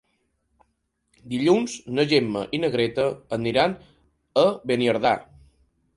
Dilluns na Gemma i na Greta aniran a Beniardà.